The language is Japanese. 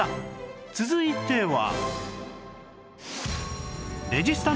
続いては